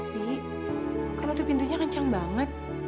bi kan waktu pintunya kencang banget